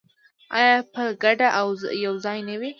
آیا په ګډه او یوځای نه وي؟